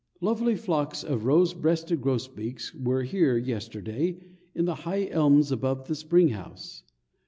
_ Lovely flocks of rose breasted grosbeaks were here yesterday in the high elms above the springhouse.